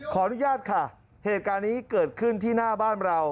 ขออนุญาตค่ะเหตุการณ์นี้เกิดขึ้นที่หน้าบ้านเรา